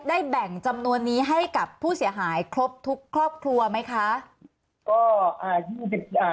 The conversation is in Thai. แบ่งจำนวนนี้ให้กับผู้เสียหายครบทุกครอบครัวไหมคะก็อ่ายี่สิบอ่า